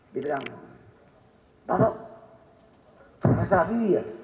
diberang bapak prof haji ya